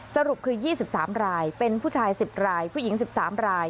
สรุปคือ๒๓รายเป็นผู้ชาย๑๐รายผู้หญิง๑๓ราย